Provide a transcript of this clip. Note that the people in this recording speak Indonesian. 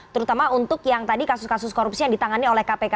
terutama untuk yang tadi kasus kasus korupsi yang ditangani oleh kpk